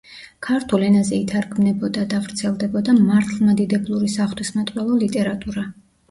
ქართულ ენაზე ითარგმნებოდა და ვრცელდებოდა მართლმადიდებლური საღვთისმეტყველო ლიტერატურა.